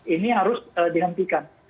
ini harus dihentikan